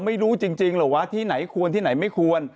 ไม่รู้จริงหรอกว่าที่ไหนควรที่ไหนไม่ควร